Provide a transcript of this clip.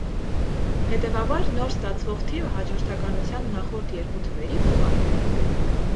Հետևաբար նոր ստացվող թիվը հաջորդականության նախորդ երկու թվերի գումարն է։